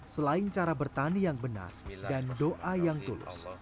selain cara bertani yang benar dan doa yang tulus